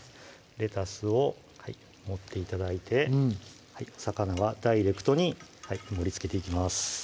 レタスを盛って頂いて魚はダイレクトに盛りつけていきます